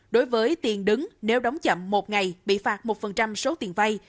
đối với tiền đứng nếu đóng chậm một ngày bị phạt một số tiền vay